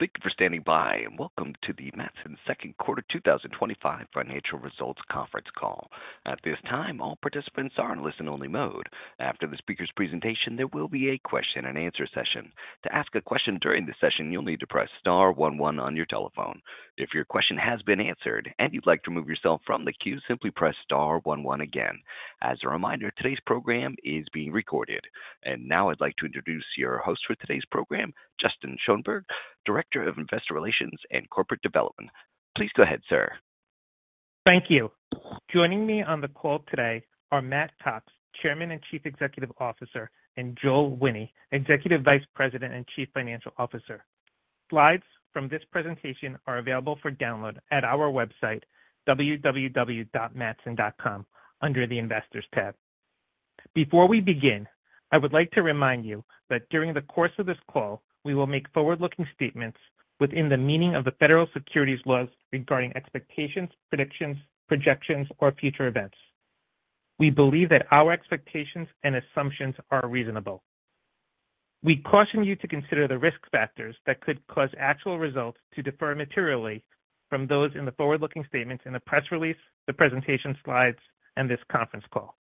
Thank you for standing by and welcome to the Matson Second Quarter 2025 Financial Results Conference Call. At this time, all participants are in listen-only mode. After the speaker's presentation, there will be a question and answer session. To ask a question during the session, you'll need to press star one one on your telephone. If your question has been answered and you'd like to remove yourself from the queue, simply press star one one again. As a reminder, today's program is being recorded. Now I'd like to introduce your host for today's program, Justin Schoenberg, Director of Investor Relations and Corporate Development. Please go ahead, sir. Thank you. Joining me on the call today are Matt Cox, Chairman and Chief Executive Officer, and Joel Wine, Executive Vice President and Chief Financial Officer. Slides from this presentation are available for download at our website www.matson.com under the Investors tab. Before we begin, I would like to remind you that during the course of this call we will make forward-looking statements within the meaning of the federal securities laws regarding expectations, predictions, projections or future events. We believe that our expectations and assumptions are reasonable. We caution you to consider the risk factors that could cause actual results to differ materially from those in the forward-looking statements in the press release, the presentation slides and this conference call.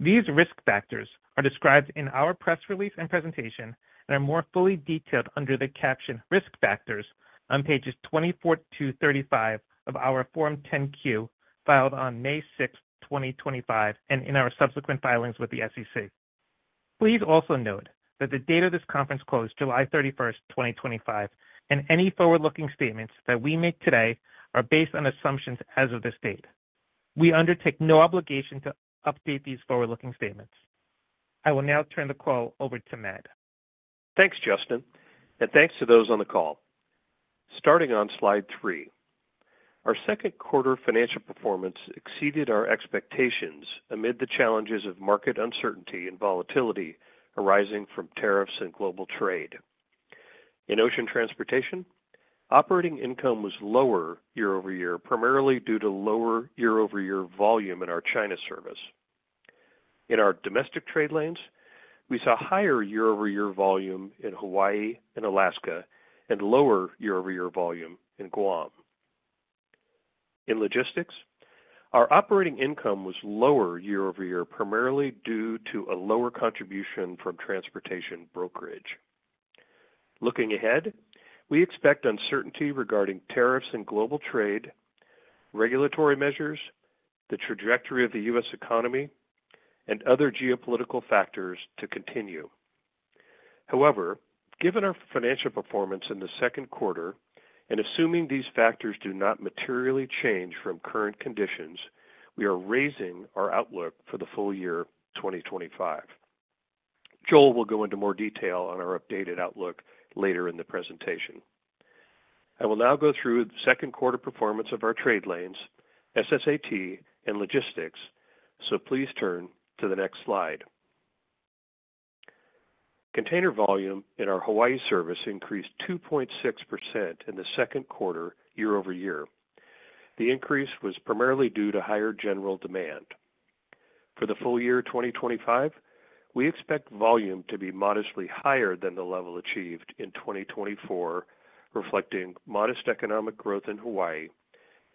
These risk factors are described in our press release and presentation and are more fully detailed under the caption Risk Factors on pages 24-35 of our Form 10-Q filed on May 6, 2025 and in our subsequent filings with the SEC. Please also note that the date of this conference is July 31, 2025 and any forward-looking statements that we make today are based on assumptions. As of this date, we undertake no obligation to update these forward-looking statements. I will now turn the call over to Matt. Thanks Justin and thanks to those on the call. Starting on slide three, our second quarter financial performance exceeded our expectations amid the challenges of market uncertainty and volatility arising from tariffs and global trade. In ocean transportation, operating income was lower year-over-year primarily due to lower year-over-year volume in our China service. In our domestic trade lanes, we saw higher year-over-year volume in Hawaii and Alaska and lower year-over-year volume in Guam. In logistics, our operating income was lower year-over-year, primarily due to a lower contribution from transportation brokerage. Looking ahead, we expect uncertainty regarding tariffs and global trade, regulatory measures, the trajectory of the U.S. economy and other geopolitical factors to continue. However, given our financial performance in the second quarter, and assuming these factors do not materially change from current conditions, we are raising our outlook for the full year 2025. Joel will go into more detail on our updated outlook later in the presentation. I will now go through the second quarter performance of our trade lanes, SSAT and logistics, so please turn to the next slide. Container volume in our Hawaii service increased 2.6% in the second quarter year-over-year. The increase was primarily due to higher general demand. For the full year 2025, we expect volume to be modestly higher than the level achieved in 2024, reflecting modest economic growth in Hawaii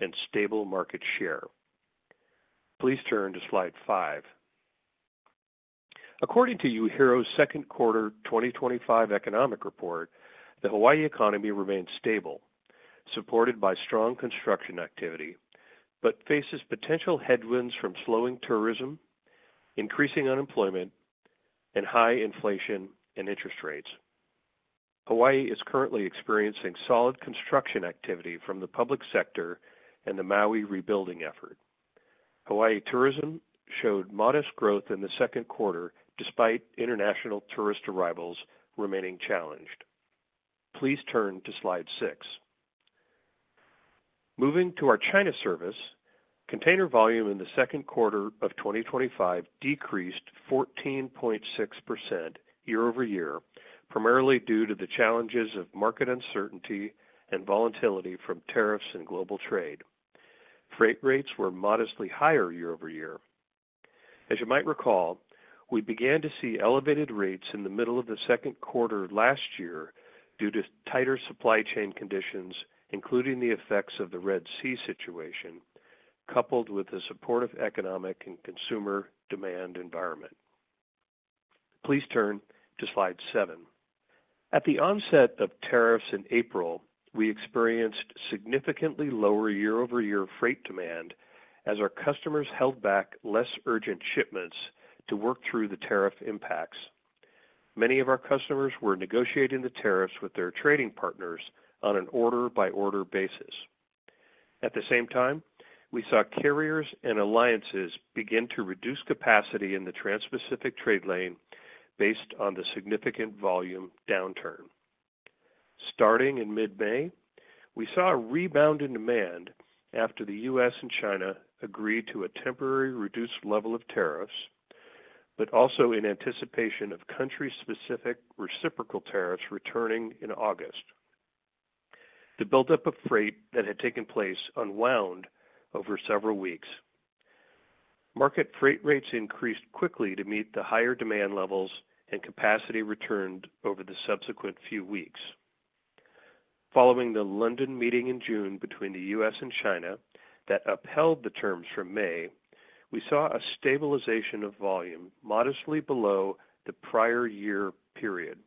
and stable market share. Please turn to slide five. According to UHERO's second quarter 2025 economic report, the Hawaii economy remained stable, supported by strong construction activity, but faces potential headwinds from slowing tourism, increasing unemployment and high inflation and interest rates. Hawaii is currently experiencing solid construction activity from the public sector and the Maui rebuilding effort. Hawaii tourism showed modest growth in the second quarter despite international tourist arrivals remaining challenged. Please turn to slide six. Moving to our China service. Container volume in the second quarter of 2025 decreased 14.6% year-over-year primarily due to the challenges of market uncertainty and volatility from tariffs in global trade. Freight rates were modestly higher year-over-year. As you might recall, we began to see elevated rates in the middle of the second quarter last year due to tighter supply chain conditions, including the effects of the Red Sea situation coupled with the supportive economic and consumer demand environment. Please turn to slide seven. At the onset of tariffs in April, we experienced significantly lower year-over-year freight demand as our customers held back less urgent shipments to work through the tariff impacts. Many of our customers were negotiating the tariffs with their trading partners on an order-by-order basis. At the same time, we saw carriers and alliances begin to reduce capacity in the Trans-Pacific Trade Lane based on the significant volume downturn. Starting in mid-May, we saw a rebound in demand after the U.S. and China agreed to a temporary reduced level of tariffs, but also in anticipation of country-specific reciprocal tariffs returning in August. The buildup of freight that had taken place unwound over several weeks. Market freight rates increased quickly to meet the higher demand levels, and capacity returned over the subsequent few weeks. Following the London meeting in June between the U.S. and China that upheld the terms from May, we saw a stabilization of volume modestly below the prior year period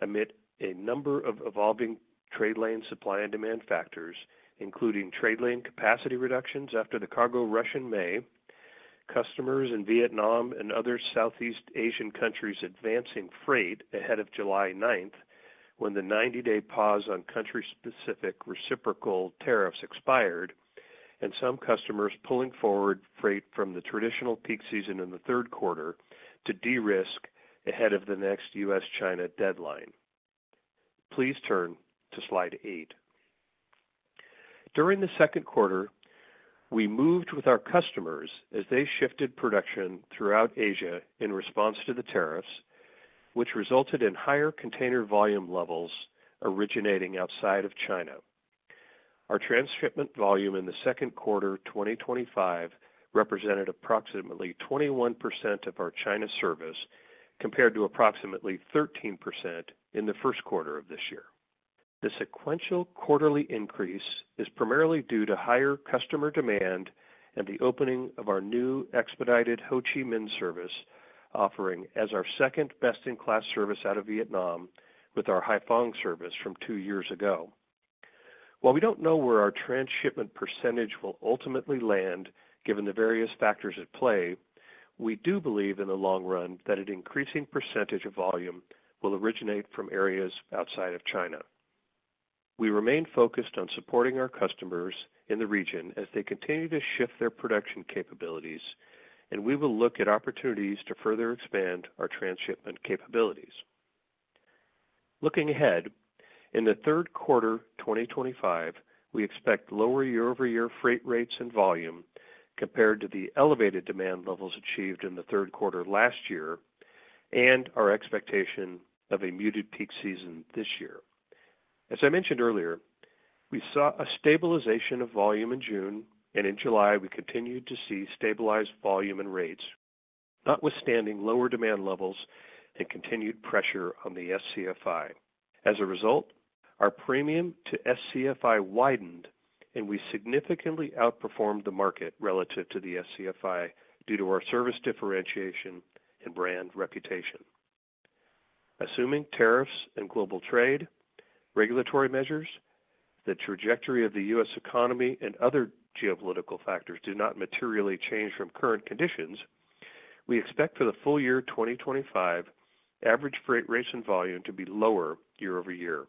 amid a number of evolving trade lane supply and demand factors, including trade lane capacity reductions after the cargo rush in May, customers in Vietnam and other Southeast Asian countries advancing freight ahead of July 9th when the 90-day pause on country-specific reciprocal tariffs expired, and some customers pulling forward freight from the traditional peak season in the third quarter to de-risk ahead of the next U.S.-China deadline. Please turn to slide eight. During the second quarter, we moved with our customers as they shifted production throughout Asia in response to the tariffs, which resulted in higher container volume levels originating outside of China. Our transshipment volume in the second quarter 2025 represented approximately 21% of our China service compared to approximately 13% in the first quarter of this year. The sequential quarterly increase is primarily due to higher customer demand and the opening of our new expedited Ho Chi Minh service offering as our second best-in-class service out of Vietnam, with our Haiphong service from two years ago. While we don't know where our transshipment percentage will ultimately land given the various factors at play, we do believe in the long run that an increasing percentage of volume will originate from areas outside of China. We remain focused on supporting our customers in the region as they continue to shift their production capabilities, and we will look at opportunities to further expand our transshipment capabilities. Looking ahead in the third quarter 2025, we expect lower year-over-year freight rates and volume compared to the elevated demand levels achieved in the third quarter last year and our expectation of a muted peak season this year. As I mentioned earlier, we saw a stabilization of volume in June, and in July we continued to see stabilized volume and rates not withstanding lower demand levels and continued pressure on the SCFI. As a result, our premium to SCFI widened and we significantly outperformed the market relative to the SCFI due to our service differentiation and brand reputation. Assuming tariffs and global trade, regulatory measures, the trajectory of the U.S. economy and other geopolitical factors do not materially change from current conditions, we expect for the full year 2025 average freight rates and volume to be lower year-over-year.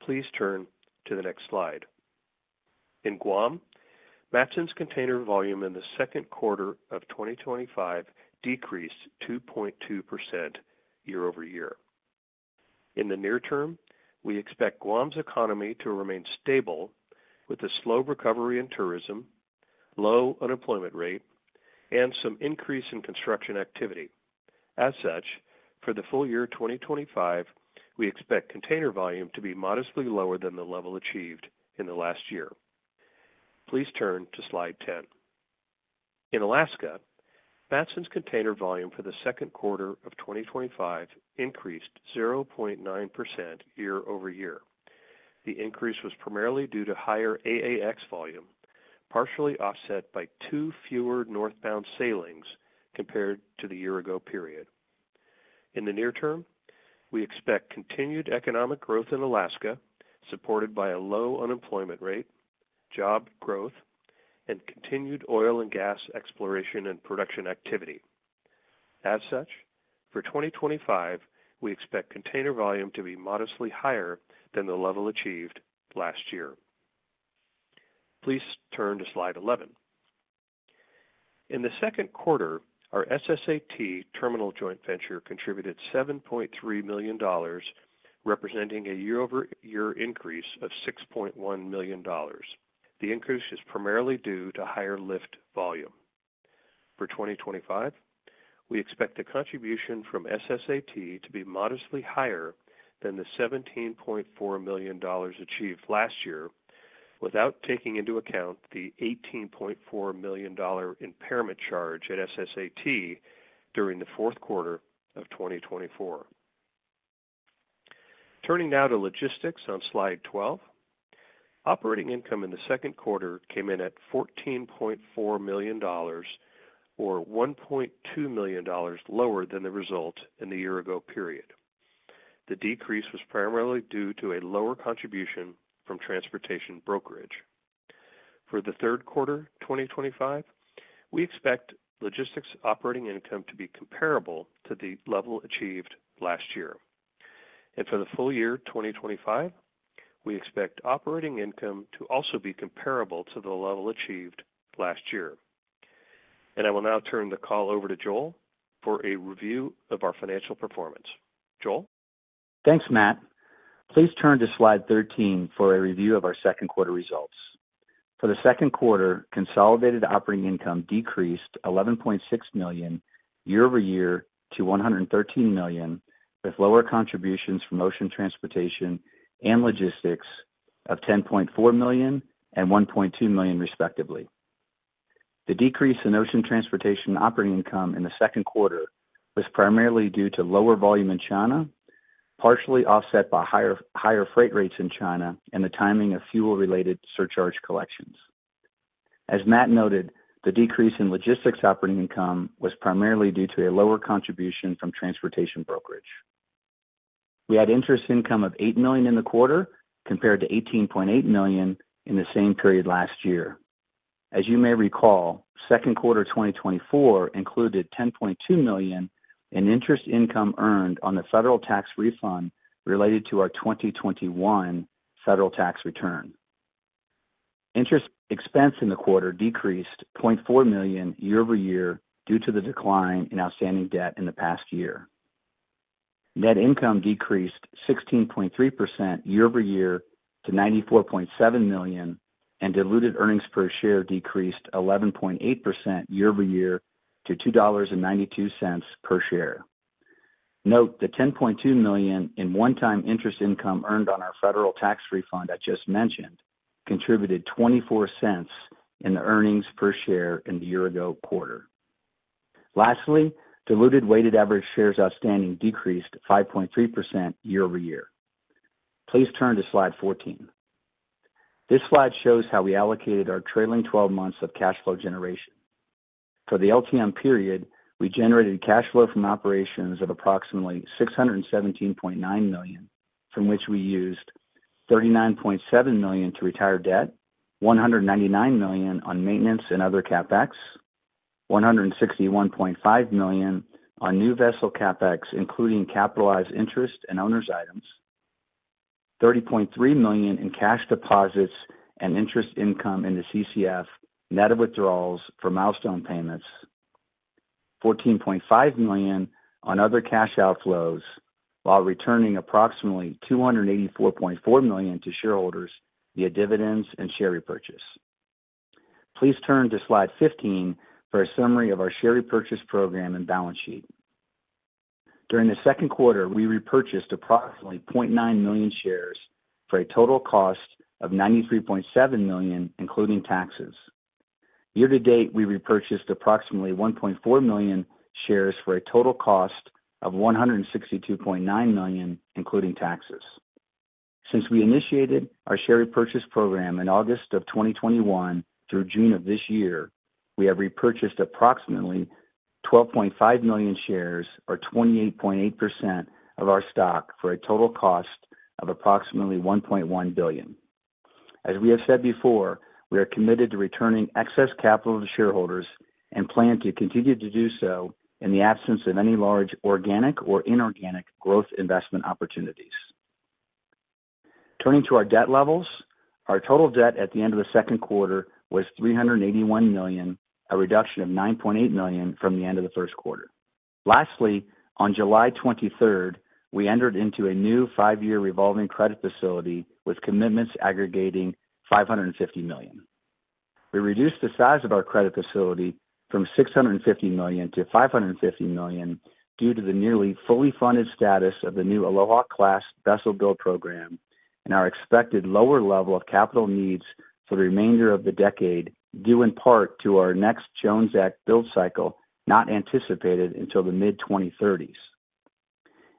Please turn to the next slide. In Guam, Matson's container volume in the second quarter of 2025 decreased 2.2% year-over-year. In the near term, we expect Guam's economy to remain stable with a slow recovery in tourism, low unemployment rate, and some increase in construction activity. As such, for the full year 2025, we expect container volume to be modestly lower than the level achieved in the last year. Please turn to slide 10. In Alaska, Matson's container volume for the second quarter of 2025 increased 0.9% year-over-year. The increase was primarily due to higher AAX volume, partially offset by two fewer northbound sailings compared to the year-ago period. In the near term, we expect continued economic growth in Alaska supported by a low unemployment rate, job growth, and continued oil and gas exploration and production activity. As such, for 2025 we expect container volume to be modestly higher than the level achieved last year. Please turn to slide 11. In the second quarter, our SSAT terminal joint venture contributed $7.3 million, representing a year-over-year increase of $6.1 million. The increase is primarily due to higher lift volume. For 2025, we expect the contribution from SSAT to be modestly higher than the $17.4 million achieved last year without taking into account the $18.4 million impairment charge at SSAT during the fourth quarter of 2024. Turning now to logistics on Slide 12, operating income in the second quarter came in at $14.4 million, or $1.2 million lower than the result in the year ago period. The decrease was primarily due to a lower contribution from transportation brokerage. For the third quarter 2025, we expect logistics operating income to be comparable to the level achieved last year, and for the full year 2025, we expect operating income to also be comparable to the level achieved last year. I will now turn the call over to Joel for a review of our financial performance. Joel? Thanks, Matt. Please turn to slide 13 for a review of our second quarter results. For the second quarter, consolidated operating income decreased $11.6 million year-over-year to $113 million with lower contributions from ocean transportation and logistics of $10.4 million and $1.2 million, respectively. The decrease in ocean transportation operating income in the second quarter was primarily due to lower volume in China, partially offset by higher freight rates in China and the timing of fuel-related surcharge collections. As Matt noted, the decrease in logistics operating income was primarily due to a lower contribution from transportation brokerage. We had interest income of $8 million in the quarter compared to $18.8 million in the same period last year. As you may recall, second quarter 2024 included $10.2 million in interest income earned on the federal tax refund related to our 2021 federal tax return. Interest expense in the quarter decreased $0.4 million year-over-year due to the decline in outstanding debt in the past year. Net income decreased 16.3% year-over-year to $94.7 million and diluted earnings per share decreased 11.8% year-over-year to $2.92 per share. Note the $10.2 million in one-time interest income earned on our federal tax refund I just mentioned contributed $0.24 in the earnings per share in the year-ago quarter. Lastly, diluted weighted average shares outstanding decreased 5.3% year-over-year. Please turn to slide 14. This slide shows how we allocated our trailing twelve months of cash flow generation for the LTM period. We generated cash flow from operations of approximately $617.9 million from which we used $39.7 million to retire debt, $199 million on maintenance and other CapEx, $161.5 million on new vessel CapEx including capitalized interest and owner's items, $30.3 million in cash deposits and interest income in the CCF net of withdrawals for milestone payments, $14.5 million on other cash outflows, while returning approximately $284.4 million to shareholders via dividends and share repurchase. Please turn to slide 15 for a summary of our share repurchase program and balance sheet. During the second quarter, we repurchased approximately 0.9 million shares for a total cost of $93.7 million including taxes. Year to date, we repurchased approximately 1.4 million shares for a total cost of $162.9 million including taxes. Since we initiated our share repurchase program in August of 2021 through June of this year, we have repurchased approximately 12.5 million shares or 28.8% of our stock for a total cost of approximately $1.1 billion. As we have said before, we are committed to returning excess capital to shareholders and plan to continue to do so in the absence of any large organic or inorganic growth investment opportunities. Turning to our debt levels, our total debt at the end of the second quarter was $381 million, a reduction of $9.8 million from the end of the first quarter. Lastly, on July 23 we entered into a new five-year revolving credit facility with commitments aggregating $550 million. We reduced the size of our credit facility from $650 million-$550 million due to the nearly fully funded status of the new Aloha class vessel build program and our expected lower level of capital needs for the remainder of the decade due in part to our next Jones Act build cycle not anticipated until the mid-2030s.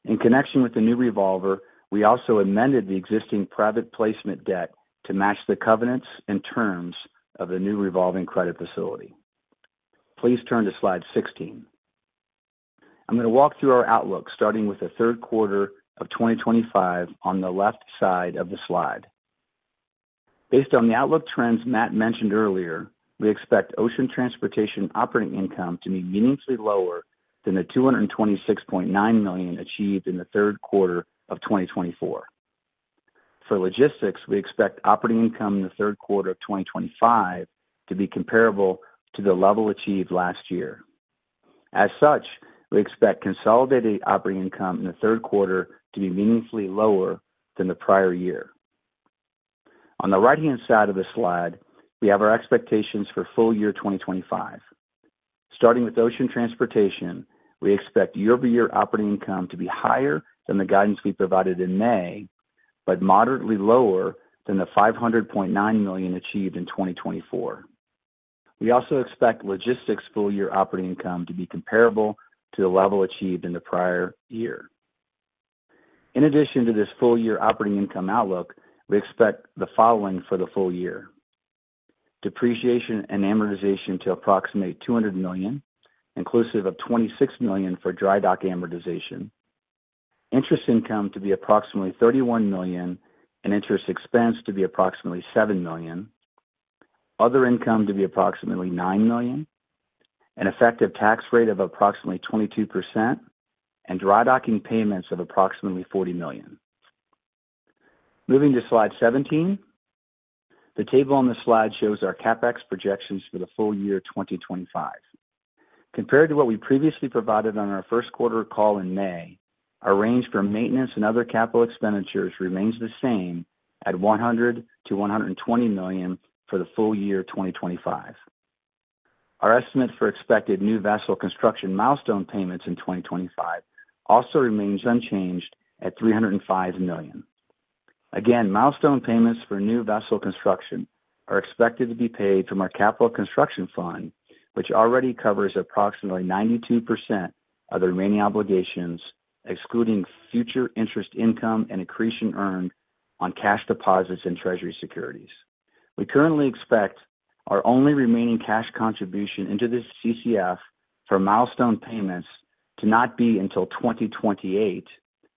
In connection with the new revolver, we also amended the existing private placement debt to match the covenants and terms of the new revolving credit facility. Please turn to slide 16. I'm going to walk through our outlook starting with the third quarter of 2025 on the left side of the slide. Based on the outlook trends Matt mentioned earlier, we expect ocean transportation operating income to be meaningfully lower than the $226.9 million achieved in the third quarter of 2024. For logistics, we expect operating income in the third quarter of 2025 to be comparable to the level achieved last year. As such, we expect consolidated operating income in the third quarter to be meaningfully lower than the prior year. On the right-hand side of the slide, we have our expectations for full year 2025. Starting with ocean transportation, we expect year-over-year operating income to be higher than the guidance we provided in May, but moderately lower than the $500.9 million achieved in 2024. We also expect logistics full year operating income to be comparable to the level achieved in the prior year. In addition to this full year operating income outlook, we expect the following for the full year: depreciation and amortization to approximate $200 million inclusive of $26 million for dry dock amortization, interest income to be approximately $31 million and interest expense to be approximately $7 million, other income to be approximately $9 million, an effective tax rate of approximately 22%, and dry docking payments of approximately $40 million. Moving to slide 17, the table on the slide shows our CapEx projections for the full year 2025. Compared to what we previously provided on our first quarter call in May, our range for maintenance and other capital expenditures remains the same at $100 million-$120 million for the full year 2025. Our estimates for expected new vessel construction milestone payments in 2025 also remains unchanged at $305 million. Again, milestone payments for new vessel construction are expected to be paid from our capital construction fund, which already covers approximately 92% of the remaining obligations, excluding future interest income and accretion earned on cash deposits and treasury securities. We currently expect our only remaining cash contribution into the CCF for milestone payments to not be until 2028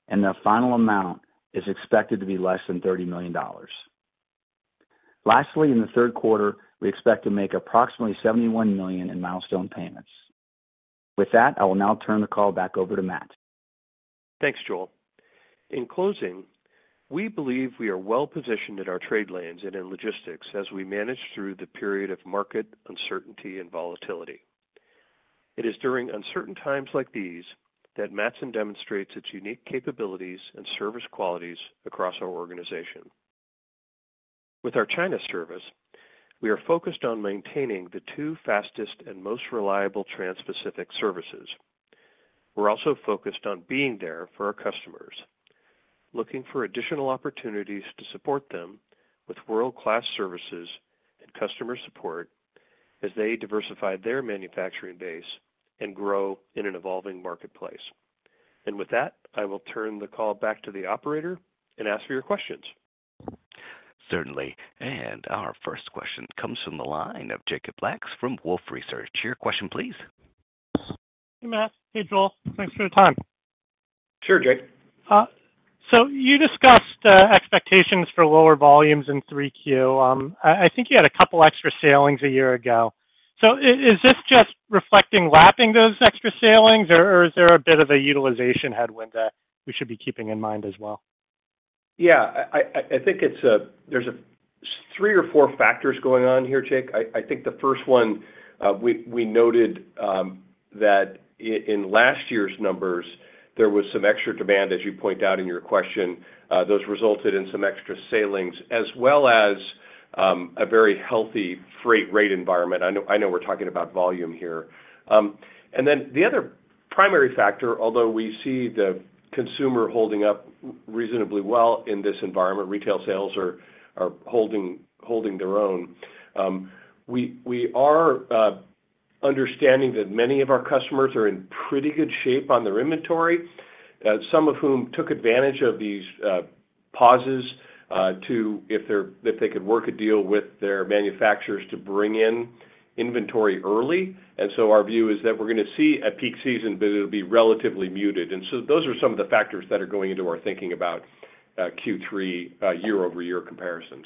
and the final amount is expected to be less than $30 million. Lastly, in the third quarter, we expect to make approximately $71 million in milestone payments. With that, I will now turn the call back over to Matt. Thanks, Joel. In closing, we believe we are well positioned in our trade lanes and in logistics as we manage through the period of market uncertainty and volatility. It is during uncertain times like these that Matson demonstrates its unique capabilities and service qualities across our organization. With our China service, we are focused on maintaining the two fastest and most reliable Trans Pacific services. We're also focused on being there for our customers, looking for additional opportunities to support them with world class services and customer support as they diversify their manufacturing base and grow in an evolving marketplace. With that, I will turn the call back to the operator and ask for your questions. Certainly. Our first question comes from the line of Jacob Lacks from Wolfe Research. Your question, please. Hey, Matt. Hey, Joel. Thanks for the time. Sure, Jake. You discussed expectations for lower volumes in 3Q. I think you had a couple extra sailings a year ago. Is this just reflecting lapping those extra sailings, or is there a bit of a utilization headwind that we should be keeping in mind as well? Yeah, I think it's a, there are three or four factors going on here, Jake. I think the first one, we noted that in last year's numbers, there was some extra demand as you point out in your question. Those resulted in some extra sailings as well as a very healthy freight rate environment. I know we're talking about volume here. The other primary factor, although we see the consumer holding up reasonably well in this environment, retail sales are holding their own. We are understanding that many of our customers are in pretty good shape. On their inventory, some of whom took advantage of these pauses to see if they could work a deal with their manufacturers to bring in inventory early. Our view is that we're woing to see a peak season. It will be relatively muted. Those are some of the factors that are going into our thinking about Q3 year-over-year comparisons.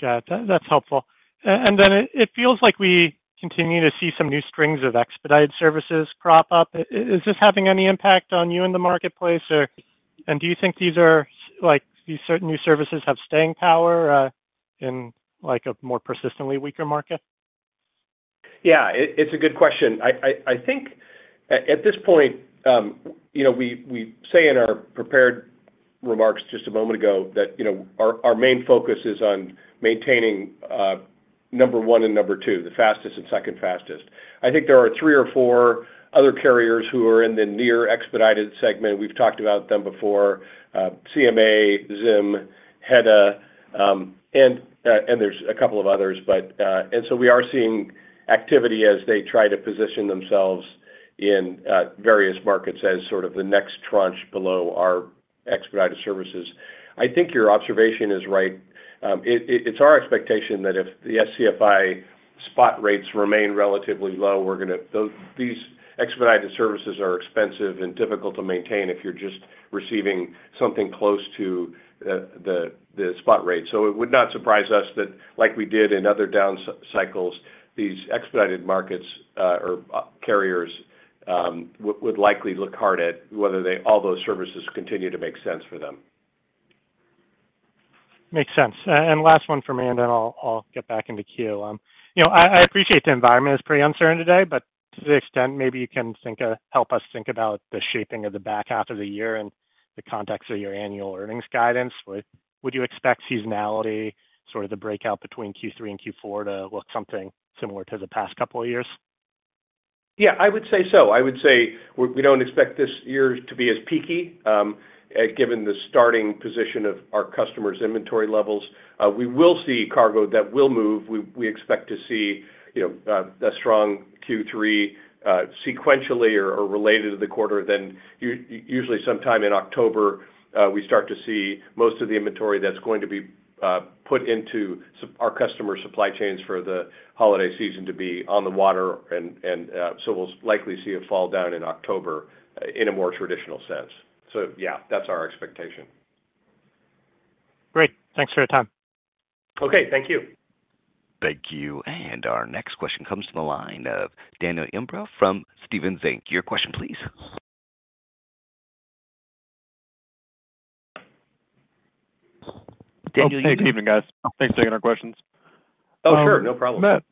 Got it. That's helpful. It feels like we continue to see some new strings of expedited services crop up. Is this having any impact on you in the marketplace? Do you think these certain new services have staying power in a more persistently weaker market? Yeah, it's a good question. I think at this point, we say in our prepared remarks just a moment ago that our main focus is on maintaining number one and number two, the fastest and second fastest. I think there are three or four other carriers who are in the near expedited segment. We've talked about them before, CMA, ZIM and there's a couple of others. We are seeing activity as they try to position themselves in various markets as sort of the next tranche below our expedited services. I think your observation is right. It's our expectation that if the SCFI spot rates remain relatively low, these expedited services are expensive and difficult to maintain if you're just receiving something close to the spot rate. It would not surprise us that like we did in other down cycles, these expedited markets or carriers would likely look hard at whether all those services continue to make sense for them. Makes sense. Last one for me and then I'll get back into queue. I appreciate the environment is pretty uncertain today, but to the extent, maybe you can help us think about the shaping of the back half of the year in the context of your annual earnings guidance. Would you expect seasonality, sort of the breakout between Q3 and Q4, to look something similar to the past couple of years? I would say so. I would say we don't expect this. Year to be as peaky. Given the starting position of our customers, inventory levels, we will see cargo that will move. We expect to see a strong Q3 sequentially or related to the quarter. Usually sometime in October, we start to see most of the inventory that's going to be put into our customer supply chains for the holiday season to be on the water. We'll likely see a fall down in October in a more traditional sense. That's our expectation. Great. Thanks for your time. Okay, thank you. Thank you. Our next question comes from the line of Daniel Imbro from Stephens Inc. Your question please. Thanks for taking our questions. Oh, sure, no problem. Matt,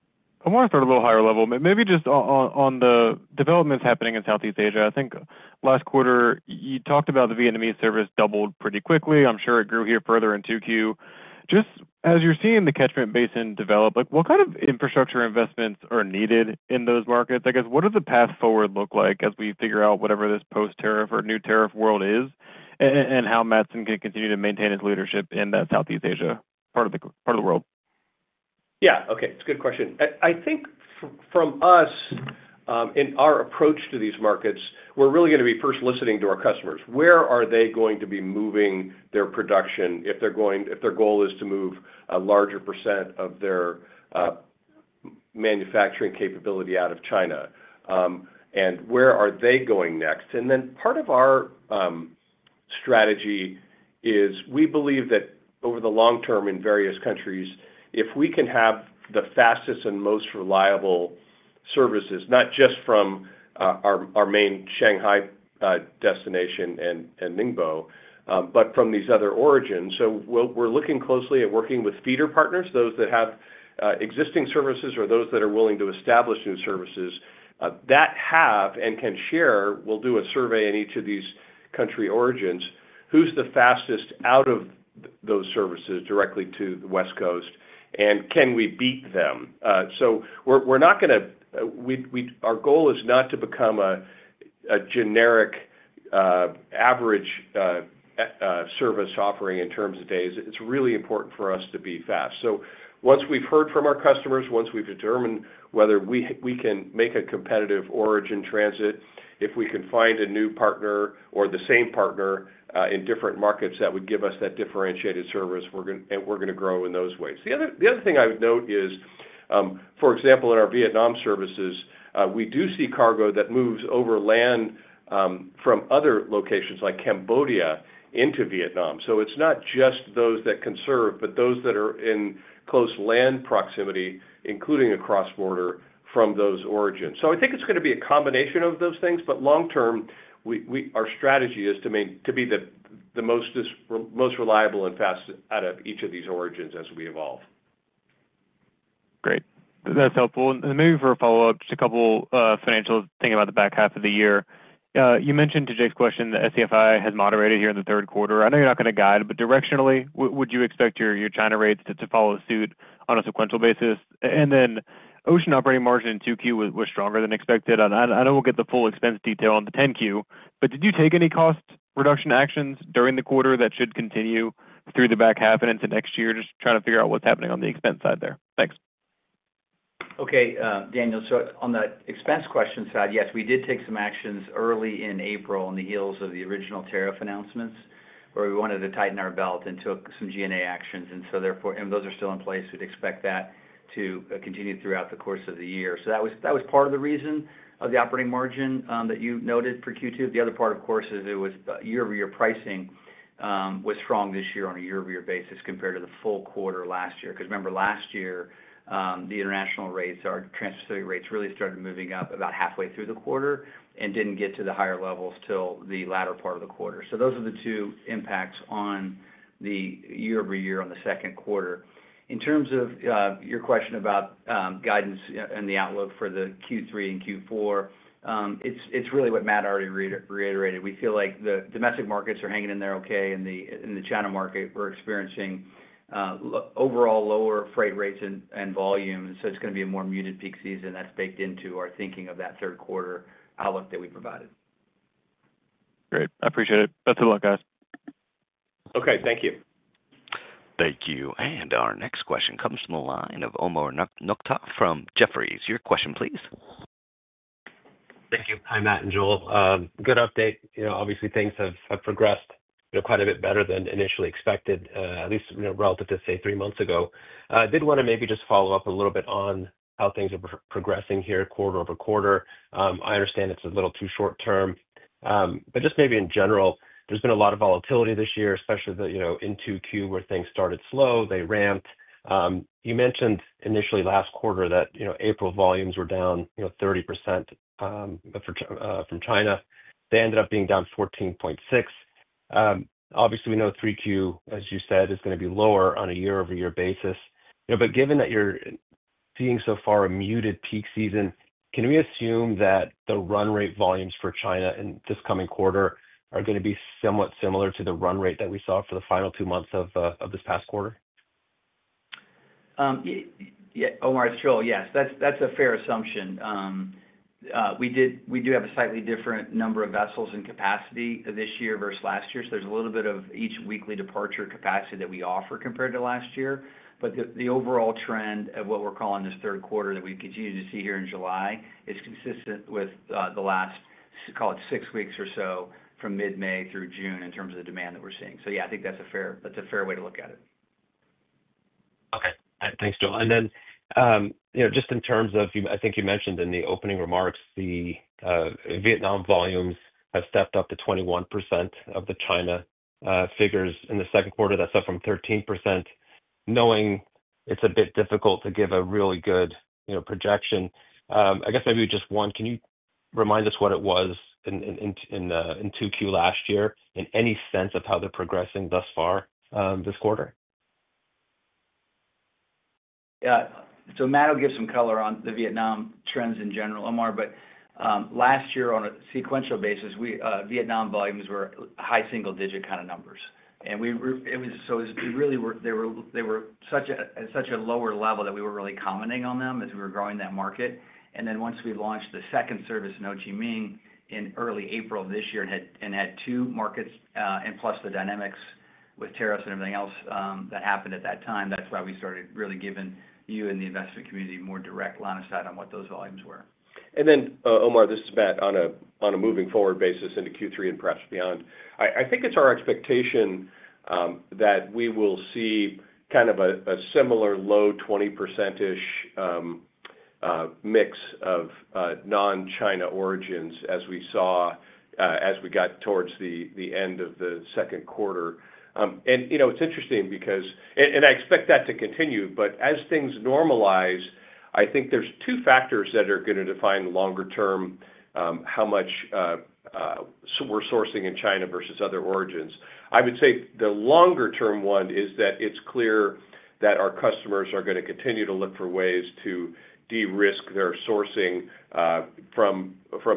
I want to start a little higher level, maybe just on the developments happening in Southeast Asia. I think last quarter you talked about the Vietnamese service doubled pretty quickly. I'm sure it grew here further in. 2Q just as you're seeing the catchment basin develop, what kind of infrastructure investments are needed in those markets? I guess what does the path forward look like as we figure out whatever this post tariff or new tariff world and how Matson can continue to maintain its leadership in that Southeast Asia part of the world? Yeah, okay. It's a good question, I think. Us in our approach to these markets. We're really going to be first listening to our customers. Where are they going to be moving their production if their goal is to move a larger % of their manufacturing capability out of China and where are they going next? Part of our strategy is we believe that over the long-term in various countries, if we can have the fastest and most reliable services, not just from our main Shanghai destination and Ningbo, but from these other origins, we're looking closely at working with feeder partners, those that have existing services or those that are willing to establish new services that have and can share. We'll do a survey in each of these country origins. Who's the fastest out of those services directly to the West Coast and can we beat them? Our goal is not to become a generic average service offering in terms of days. It's really important for us to be fast. Once we've heard from our customers, once we've determined whether we can make a competitive origin transit, if we can find a new partner or the same partner in different markets that would give us that differentiated service, we're going to grow in those ways. The other thing I would note is, for example, in our Vietnam services, we do see cargo that moves over land from other locations like Cambodia into Vietnam. It's not just those that can serve, but those that are in close land proximity, including a cross border from those origins. I think it's going to be a combination of those things. Long term, our strategy is to be the most reliable and fastest out of each of these origins as we evolve. Great, that's helpful and maybe for a follow up. Just a couple financials thinking about the back half of the year, you mentioned to Jake's question, the SCFI has moderated here in the third quarter. I know you're not going to guide, but directionally would you expect your China rates to follow suit on a sequential basis, and then ocean operating margin in 2Q was stronger than expected. I know we'll get the full expense detail on the 10Q, but did you take any cost reduction actions during the quarter that should continue through the back half and into next year? Just trying to figure out what's happening on the expense side there. Thanks. Okay, Daniel, on the expense question side, yes, we did take some actions early in April on the heels of the original tariff announcement where we wanted to tighten our belt and took some G&A actions. Those are still in place, and we'd expect that to continue throughout the course of the year. That was part of the reason for the operating margin that you noted for Q2. The other part, of course, is it was year-over-year. Pricing was strong this year on a year-over-year basis compared to the full quarter last year. Remember, last year the international rates, our transport rates, really started moving up about halfway through the quarter and didn't get to the higher levels until the latter part of the quarter. Those are the two impacts on the year-over-year on the second quarter. In terms of your question about guidance and the outlook for Q3 and Q4, it's really what Matt already reiterated. We feel like the domestic markets are hanging in there. In the China market, we're experiencing overall lower freight rates and volume. It's going to be a more muted peak season, and that's baked into our thinking of that third quarter outlook that we provided. Great. I appreciate it. Best of luck, guys. Okay, thank you. Thank you. Our next question comes from the line of Omar Nokta from Jefferies. Your question please. Thank you. Hi Matt and Joel, good update. Obviously things have progressed quite a bit better than initially expected, at least relative to say three months ago. I did want to maybe just follow-up a little bit on how things are progressing here, quarter-over-quarter. I understand it's a little too short-term, but just maybe in general, there's been a lot of volatility this year, especially in 2Q where things started slow, they ramped. You mentioned, initially last quarter that April volumes were down 30% from China. They ended up being down 14.6%. Obviously we know 3Q, as you said, it is going to be lower on a year-over-year basis. Given that you're seeing so far, a muted peak season, can we assume that the run rate volumes for China in this coming quarter are going to be somewhat similar to the run rate that we saw for the final two months of this past quarter? Omar, it's true. Yes, that's a fair assumption. We do have a slightly different number of vessels in capacity this year versus last year. There's a little bit of each weekly departure capacity that we offer compared to last year. The overall trend of what we're calling this third quarter that we continue to see here in July is consistent with the last, call it six weeks. Or so from mid-May through June. In terms of the demand that we're seeing, I think that's fair. That's a fair way to look at it. Okay, thanks, Joel. In terms of, I think you mentioned in the opening remarks, the Vietnam volumes have stepped up to 21% of the China figures in the second quarter, that's up from 13%. Knowing it's a bit difficult to give a really good projection, I guess maybe just one, can you remind us what it was in 2Q last year and any sense of how they're progressing thus far this quarter? Yeah. Matt will give some color on the Vietnam trends in general, Omar, but last year on a sequential basis, Vietnam volumes were high single-digit kind of numbers. It was really, they were such a lower level. We were really commenting on them as we were growing that market. Once we launched the second service in Ho Chi Minh in early April this year and had two markets, plus the dynamics with tariffs and everything else that happened at that time, that's why we started really giving you and the investment community more direct line. Of sight on what those volumes were. Omar, this is Matt. On a moving forward basis into Q3 and perhaps beyond, I think it's our expectation that we will see kind of a similar low 20% mix of non-China origins as we saw as we got towards the end of the second quarter. It's interesting because, I expect that to continue. As things normalize, I think there are two factors that are going to define longer term how much we're sourcing in China versus other origins. I would say the longer term one is that it's clear that our customers are going to continue to look for ways to de-risk their sourcing from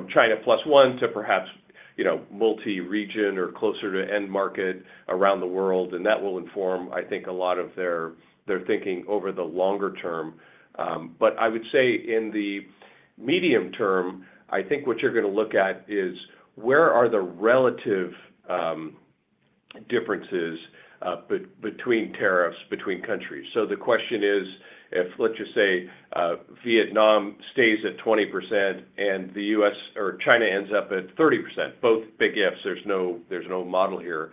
China plus one to perhaps multi-region or closer to end market around the world. That will inform a lot of their thinking over the longer term. I would say in the medium-term, what you're going to look at is where are the relative differences between tariffs between countries. The question is if, let's just say Vietnam stays at 20% and the U.S. or China ends up at 30%. Both big ifs. There's no model here.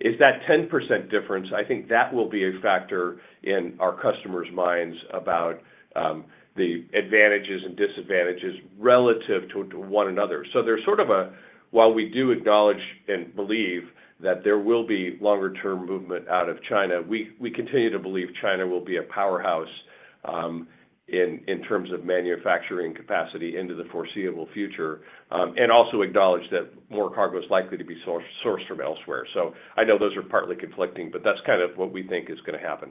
Is that 10% difference? I think that will be a factor in our customers' minds about the advantages and disadvantages relative to one another. While we do acknowledge and believe that there will be longer term movement out of China, we continue to believe China will be a powerhouse in terms of manufacturing capacity into the foreseeable future and also acknowledge that more cargo is likely to be sourced from elsewhere. I know those are partly conflicting, but that's kind of what we think is going to happen.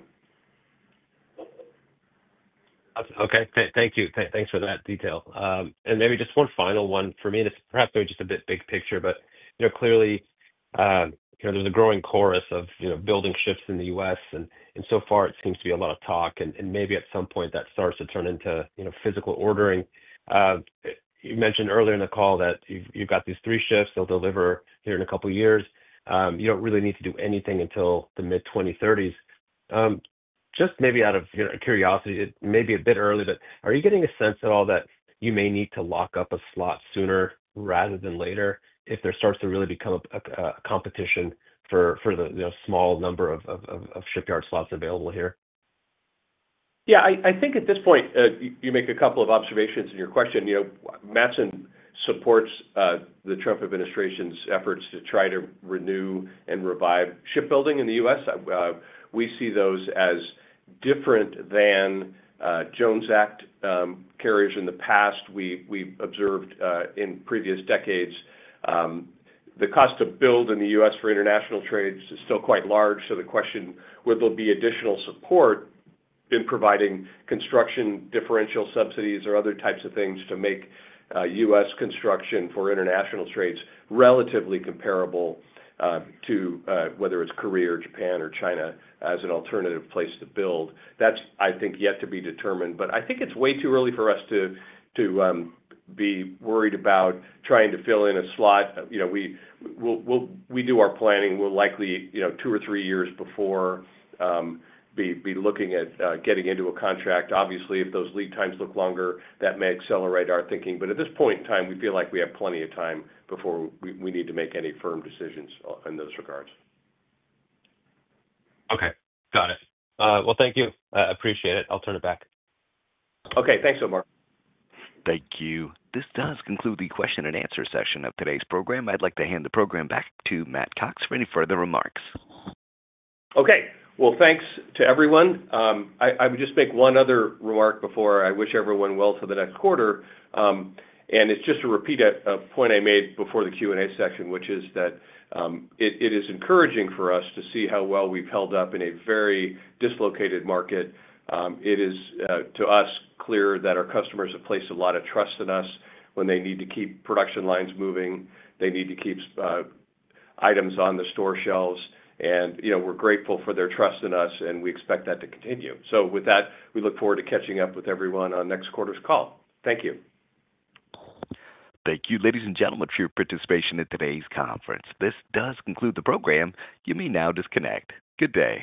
Okay, thank you, thanks for that detail and maybe just one final one for me, perhaps just a bit big picture, but clearly there's a growing chorus of building ships in the U.S., and so far it seems to be a lot of talk and maybe at some point that starts to turn into physical ordering. You mentioned earlier in the call that you've got these three ships. They'll deliver here in a couple of years. You don't really need to do anything until the mid-2030s. Just maybe out of curiosity, maybe a bit early, are you getting a sense at all that you may need to lock up a slot sooner rather than later if there starts to really become a competition for the small number of shipyard slots available here? Yeah, I think at this point you make a couple of observations in your question. Matson supports the Trump administration's efforts to try to renew and revive shipbuilding in the U.S. We see those as different than Jones Act carriers in the past. We observed in previous decades the cost to build in the U.S. for international trades is still quite large. The question is, whether there will be additional support in providing construction differential subsidies or other types of things to make U.S. construction for international trades relatively comparable to whether it's Korea or Japan or China as an alternative place to build. That's, I think, yet to be determined. I think it's way too early for us to be worried about trying to fill in a slot. We do our planning, we'll likely two or three years before be looking at getting into a contract. Obviously, if those lead times look longer, that may accelerate our thinking. At this point in time, we feel like we have plenty of time before we need to make any firm decisions in those regards. Okay, got it. Thank you. I appreciate it. I'll turn it back. Okay. Thanks, Omar. Thank you. This does conclude the question and answer session of today's program. I'd like to hand the program back to Matt Cox for any further remarks. Okay, thanks to everyone. I would just make one other remark. Before I wish everyone well for the next quarter. It is just a repeat, a point I made before the Q&A section, which is that it is encouraging for us to see how well we've held up in a very dislocated market. It is, to us, clear that our customers have placed a lot of trust in us. When they need to keep production lines moving, they need to keep items on the store shelves. We're grateful for their trust in us and we expect that to continue. We look forward to catching up with everyone on next quarter's call. Thank you. Thank you, ladies and gentlemen, for your participation in today's conference. This does conclude the program. You may now disconnect. Good day.